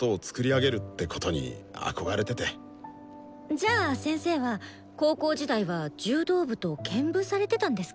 じゃあ先生は高校時代は柔道部と兼部されてたんですか？